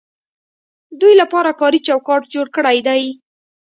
دوی لپاره کاري چوکاټ جوړ کړی دی.